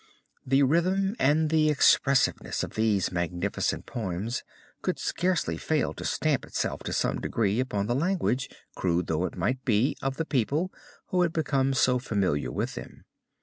The rhythm and the expressiveness of these magnificent poems could scarcely fail to stamp itself to some degree upon the language, crude though it might be, of the people who had become so familiar with them.